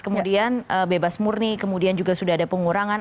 kemudian bebas murni kemudian juga sudah ada pengurangan